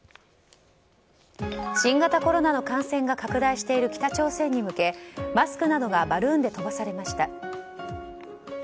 新型コロナの感染が拡大している北朝鮮に向けマスクなどがバルーンで飛ばされました。